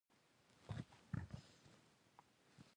وژونکو زمریانو په هوسیو پسې د منډې سرعت لوړ کړ.